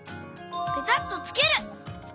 ペタッとつける。